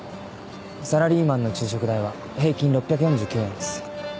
サラリーマンの昼食代は平均６４９円です。